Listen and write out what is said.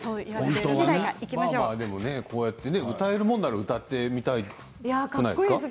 でも歌えるものなら歌ってみたくないですか？